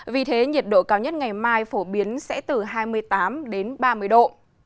vì thế nhiệt độ cao nhất ngày mai phổ biến sẽ từ hai mươi tám đến ba mươi độ